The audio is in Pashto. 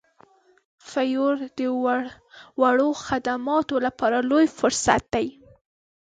فیور د وړو خدماتو لپاره لوی فرصت دی.